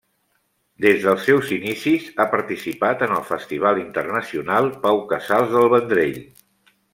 Des dels seus inicis ha participat en el Festival Internacional Pau Casals del Vendrell.